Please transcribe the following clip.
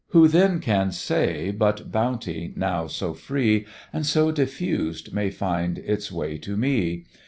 Who then can say, but bounty now so free, And so diffused, may find its way to me?